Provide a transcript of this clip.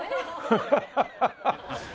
ハハハハハ。